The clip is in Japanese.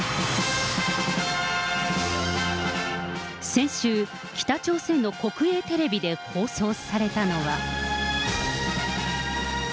先週、北朝鮮の国営テレビで放送されたのは。